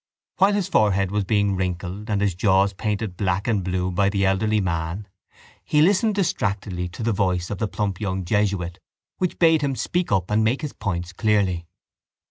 While his forehead was being wrinkled and his jaws painted black and blue by the elderly man he listened distractedly to the voice of the plump young jesuit which bade him speak up and make his points clearly.